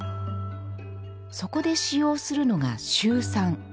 そこで使用するのがシュウ酸。